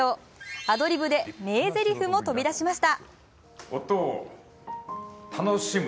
アドリブで名ぜりふも飛び出しました。